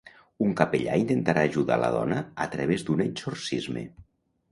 Un capellà intentarà ajudar la dona a través d'un exorcisme.